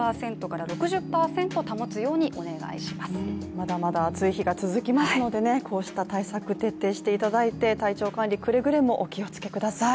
まだまだ暑い日が続きますので、こうした対策、徹底していただいて、体調管理、くれぐれもお気をつけください。